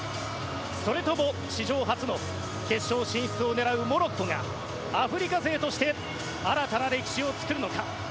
それとも史上初の決勝進出を狙うモロッコがアフリカ勢として新たな歴史を作るのか。